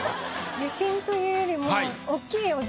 自信というよりも。